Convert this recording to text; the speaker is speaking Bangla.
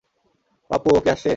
পাপ্পু, ও কি আসছে?